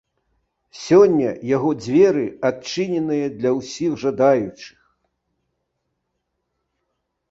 Сёння яго дзверы адчыненыя для ўсіх жадаючых.